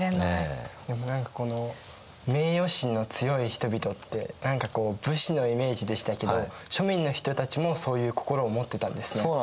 でも何かこの名誉心の強い人々って何かこう武士のイメージでしたけど庶民の人たちもそういう心を持ってたんですね。